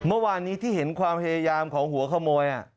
เมื่อวานนี้ที่เห็นความพยายามของหัวขโมย